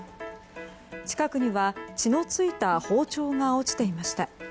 近くには、血の付いた包丁が落ちていました。